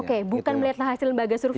oke bukan melihatlah hasil lembaga survei